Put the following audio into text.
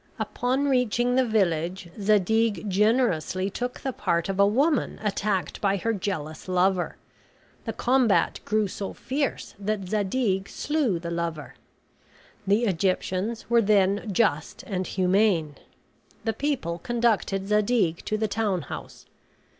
Upon reaching the village Zadig generously took the part of a woman attacked by her jealous lover. The combat grew so fierce that Zadig slew the lover. The Egyptians were then just and humane. The people conducted Zadig to the town house.